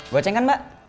gua cek kan mbak